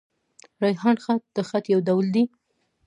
ریحان خط؛ د خط يو ډول دﺉ.